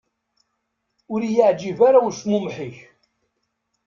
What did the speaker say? Ur i-yeεǧib ara ucmumeḥ-ik.